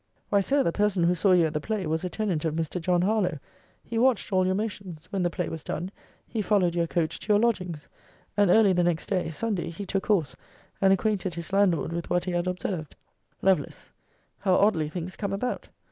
Why, Sir, the person who saw you at the play, was a tenant of Mr. John Harlowe. He watched all your motions. When the play was done, he followed your coach to your lodgings. And early the next day, Sunday, he took horse, and acquainted his landlord with what he had observed. Lovel. How oddly things come about!